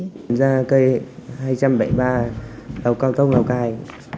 chúng ta cây hai trăm bảy mươi ba lào cao tông lào cai